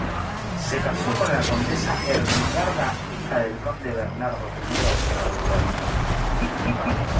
Se casó con la condesa Ermengarda, hija del conde Bernardo I de Auvernia.